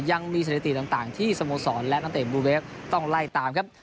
ยังมีสถิติต่างที่สโมสรและนักเตะบลูเวฟต้องไล่ตามครับ